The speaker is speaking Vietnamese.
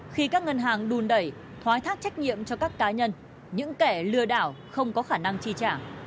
khi các ngân hàng đùn đẩy thoái thác trách nhiệm cho các cá nhân những kẻ lừa đảo không có khả năng chi trả